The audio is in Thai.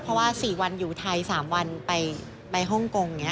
เพราะว่าสี่วันอยู่ไทยสามวันไปฮ่องกงค่ะ